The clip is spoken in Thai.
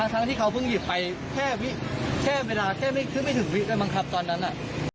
ทั้งที่เขาเพิ่งหยิบไปแค่วิแค่เวลาแค่ไม่ขึ้นไม่ถึงวิเลยบังคับตอนนั้นอ่ะ